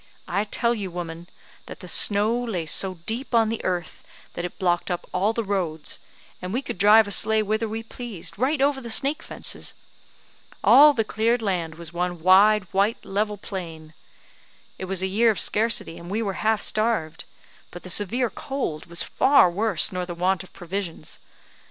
I tell you, woman, that the snow lay so deep on the earth, that it blocked up all the roads, and we could drive a sleigh whither we pleased, right over the snake fences. All the cleared land was one wide white level plain; it was a year of scarcity, and we were half starved; but the severe cold was far worse nor the want of provisions.